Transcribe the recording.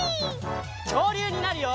きょうりゅうになるよ！